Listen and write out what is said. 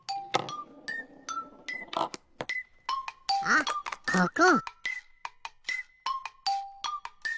あっここ！